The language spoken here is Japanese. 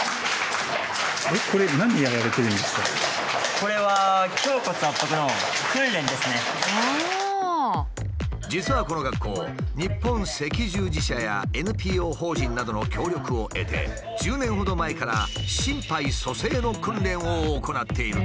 これは実はこの学校日本赤十字社やＮＰО法人などの協力を得て１０年ほど前から心肺蘇生の訓練を行っているという。